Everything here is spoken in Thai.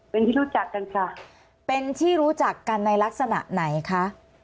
เป็นที่รู้จักกันค่ะเป็นที่รู้จักกันในลักษณะไหนคะ